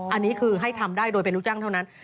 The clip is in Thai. อันนี้คือให้ทำได้โดยเป็นลูกจ้างเท่านั้น